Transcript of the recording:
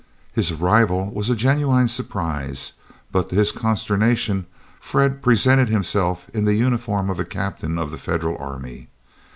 His arrival was a genuine surprise, but to his consternation Fred presented himself in the uniform of a captain of the Federal army.